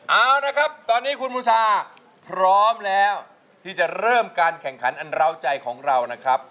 เอาละครับตอนนี้คุณบูชาพร้อมแล้วที่จะเริ่มการแข่งขันอันเล่าใจของเรานะครับ